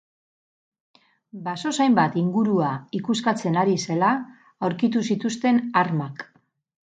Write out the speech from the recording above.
Basozain bat ingurua ikuskatzen ari zela aurkitu zituzten armak.